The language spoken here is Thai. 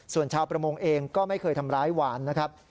ส่วนชาวประมงเองก็ไม่เคยทำร้ายหวานนะครับ